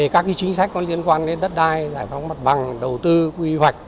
các chính sách có liên quan đến đất đai giải phóng mặt bằng đầu tư quy hoạch